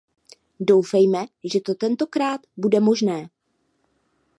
Doufejme, že to tentokrát bude možné.